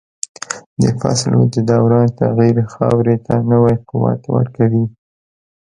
د فصلو د دوران تغییر خاورې ته نوی قوت ورکوي.